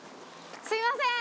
すみません